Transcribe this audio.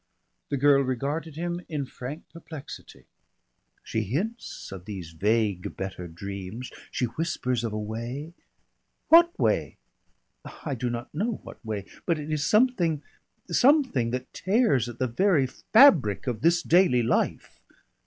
'" The girl regarded him in frank perplexity. "She hints of these vague better dreams, she whispers of a way " "What way?" "I do not know what way. But it is something something that tears at the very fabric of this daily life."